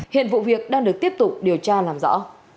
hiện vụ việc đang được tiếp tục điều tra làm rõ